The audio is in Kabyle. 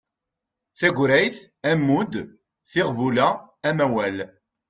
Tagrayt, ammud, tiɣbula, amawal